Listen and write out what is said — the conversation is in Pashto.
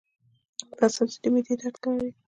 دا سبزی د معدې درد کموي.